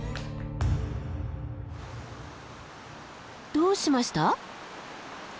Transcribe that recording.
どうしました？